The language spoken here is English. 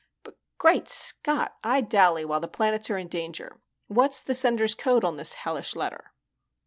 But, Great Scott, I dally while the planets are in danger. What's the sender's code on this hellish letter?"